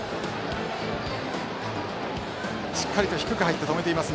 しっかりと低く入って止めています。